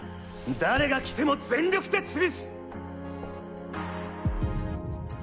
誰がきても全力で潰す！